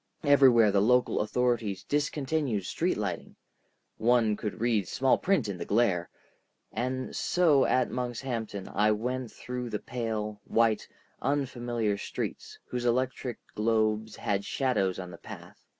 Everywhere the local authorities discontinued street lighting—one could read small print in the glare,—and so at Monkshampton I went about through pale, white, unfamiliar streets, whose electric globes had shadows on the path.